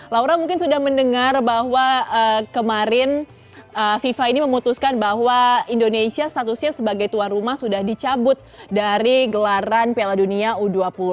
laura mungkin sudah mendengar bahwa kemarin fifa ini memutuskan bahwa indonesia statusnya sebagai tuan rumah sudah dicabut dari gelaran piala dunia u dua puluh